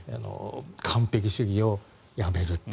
完璧主義をやめるって。